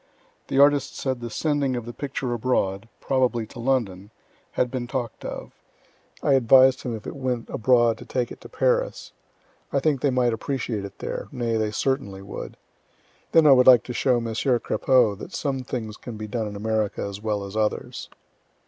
The artist said the sending of the picture abroad, probably to London, had been talk'd of. I advised him if it went abroad to take it to Paris. I think they might appreciate it there nay, they certainly would. Then I would like to show Messieur Crapeau that some things can be done in America as well as others.